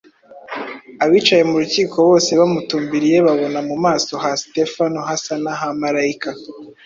Abicaye mu rukiko bose bamutumbiriye babona mu maso ha Sitefano hasa n’aha marayika